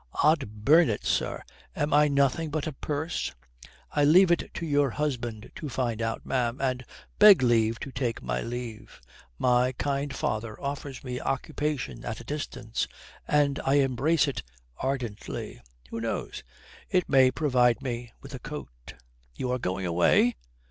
"Od burn it, sir, am I nothing but a purse?" "I leave it to your husband to find out, ma'am, and beg leave to take my leave. My kind father offers me occupation at a distance, and I embrace it ardently. Who knows? It may provide me with a coat." "You are going away?"